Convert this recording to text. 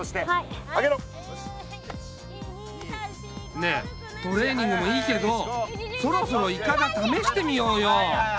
ねえトレーニングもいいけどそろそろいかだためしてみようよ。